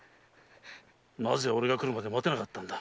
なぜ俺が来るまで待てなかったんだ？